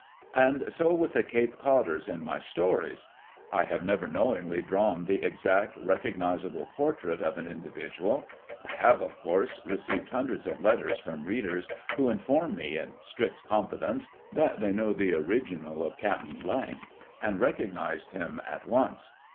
"And so with the Cape Codders in my stories. I have never knowingly drawn the exact, recognizable portrait of an indi vidual. I have, of course, received hundreds of letters from readers who inform me, in strict confidence, that they know the original of 'Cap'n ' and recognized him at once.